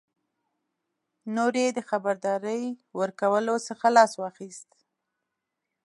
نور یې د خبرداري ورکولو څخه لاس واخیست.